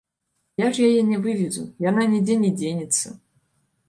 Я ж яе не вывезу, яна нідзе не дзенецца.